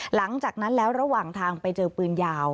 หลังจากนั้นแล้วระหว่างทางไปเจอปืนยาว